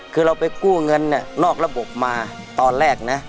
คือเราไปกู้เงินนอกระบบมาตอนแรกนะ